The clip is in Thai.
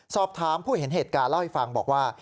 สอบถามผู้เห็นเหตุการณ์เล่าให้ฟังบอกว่า